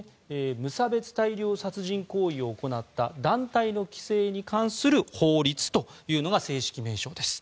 無差別大量殺人行為を行った団体の規制に関する法律というのが正式名称です。